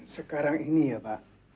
sekarang ini ya pak